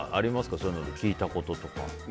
そういうの聞いたこととか。